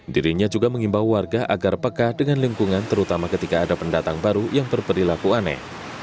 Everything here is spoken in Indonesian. dirinya juga mengimbau warga agar peka dengan lingkungan terutama ketika ada pendatang baru yang berperilaku aneh